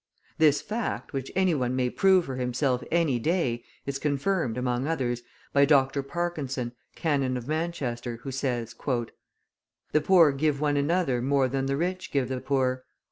This fact, which any one may prove for himself any day, is confirmed, among others, by Dr. Parkinson, Canon of Manchester, who says: "The poor give one another more than the rich give the poor.